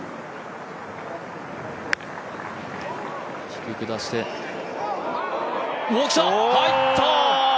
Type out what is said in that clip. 低く出して来た、入った！